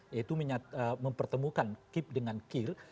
yaitu mempertemukan kip dengan kir